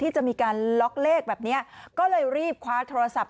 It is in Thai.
จะมีการล็อกเลขแบบนี้ก็เลยรีบคว้าโทรศัพท์